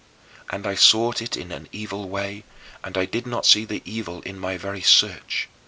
And I sought it in an evil way, and I did not see the evil in my very search.